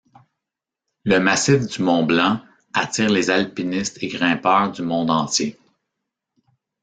Le massif du Mont-Blanc attire les alpinistes et grimpeurs du monde entier.